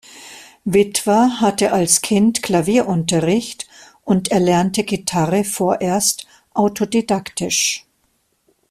Wittwer hatte als Kind Klavierunterricht und erlernte Gitarre vorerst autodidaktisch.